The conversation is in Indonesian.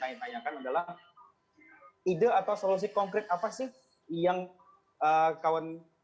yang ingin saya sampaikan adalah ide atau solusi konkret apa sih yang kawan